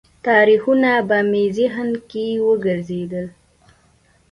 تاریخونه به مې ذهن کې وګرځېدل.